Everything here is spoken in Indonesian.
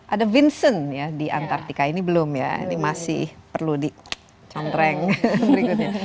ada vincent ya di antartika ini belum ya ini masih perlu dicontreng berikutnya